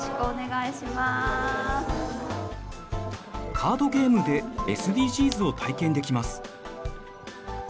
カードゲームでＳＤＧｓを体験できます。